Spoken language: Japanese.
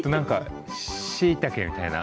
しいたけみたいな。